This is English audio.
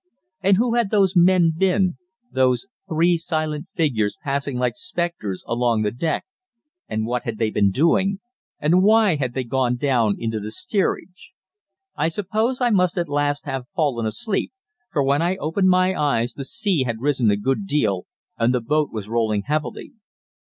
And who had those men been, those three silent figures passing like spectres along the deck, and what had they been doing, and why had they gone down into the steerage? I suppose I must at last have fallen asleep, for when I opened my eyes the sea had risen a good deal, and the boat was rolling heavily.